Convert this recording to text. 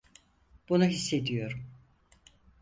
Bunu hissediyorum.